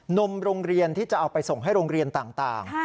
นมโรงเรียนที่จะเอาไปส่งให้โรงเรียนต่าง